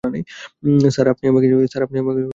Sir, আপনি আমাকে আসতে বলেছেন।